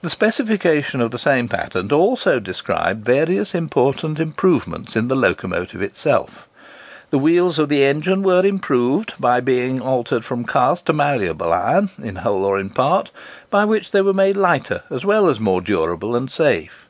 The specification of the same patent also described various important improvements in the locomotive itself. The wheels of the engine were improved, being altered from cast to malleable iron, in whole or in part, by which they were made lighter as well as more durable and safe.